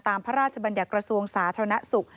พระราชบัญญัติกระทรวงสาธารณสุข